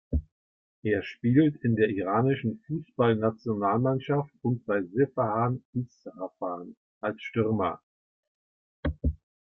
Er spielt in der iranischen Fußballnationalmannschaft und bei Sepahan Isfahan als Stürmer.